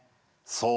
そう。